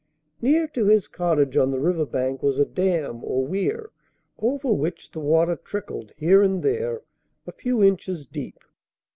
Near to his cottage on the river bank was a dam or weir, over which the water trickled here and there a few inches deep.